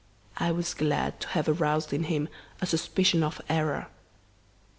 I was glad to have aroused in him a suspicion of error.